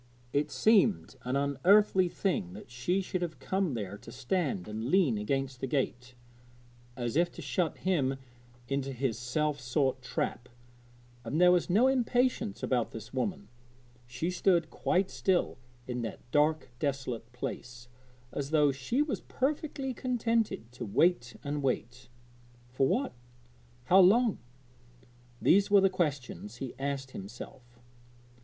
It seemed an unearthly thing that she should have come there to stand and lean against the gate, as if to shut him into his self sought trap; and there was no impatience about this woman she stood quite still in that dark, desolate place, as though she was perfectly contented to wait and wait for what? how long? these were the questions he asked himself.